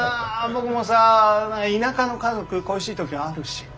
僕もさ田舎の家族恋しい時あるし。